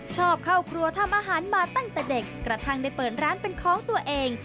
ชอบเข้าครัวทำอาหารมาตั้งแต่เด็กกระทั่งได้เปิดร้านเป็นของตัวเอง